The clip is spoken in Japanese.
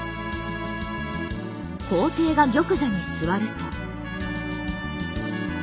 皇帝が玉座に座ると。